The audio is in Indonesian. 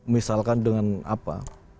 misalkan dengan apa